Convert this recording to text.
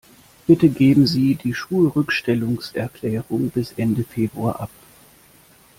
Bitte geben Sie die Schulrückstellungserklärung bis Ende Februar ab.